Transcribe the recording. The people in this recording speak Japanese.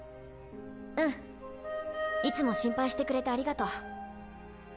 うんいつも心配してくれてありがとう。